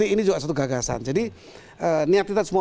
ini juga satu gagasan